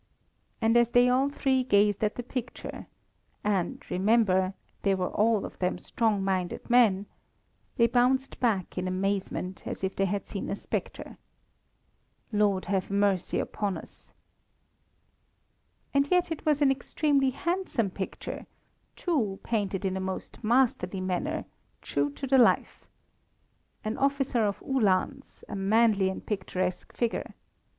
And as they all three gazed at the picture and, remember, they were all of them strong minded men they bounced back in amazement, as if they had seen a spectre. "Lord have mercy upon us!" And yet it was an extremely handsome picture, too, painted in a most masterly manner true to the life. An officer of Uhlans, a manly and picturesque figure.